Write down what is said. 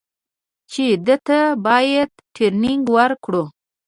چې ده ته بايد ټرېننگ ورکړو.